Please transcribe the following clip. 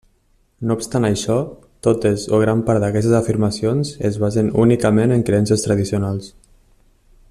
No obstant això, totes o gran part d'aquestes afirmacions es basen únicament en creences tradicionals.